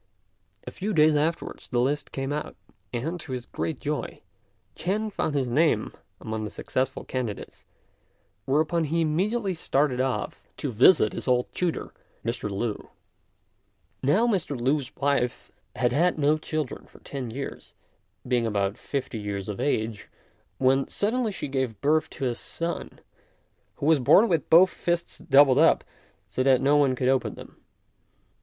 A few days afterwards the list came out, and, to his great joy, Ch'ên found his name among the successful candidates; whereupon he immediately started off to visit his old tutor, Mr. Lü. Now Mr. Lü's wife had had no children for ten years, being about fifty years of age, when suddenly she gave birth to a son, who was born with both fists doubled up so that no one could open them.